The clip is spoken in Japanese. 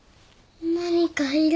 何かいる。